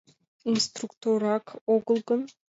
Инструкторак огыл гын?!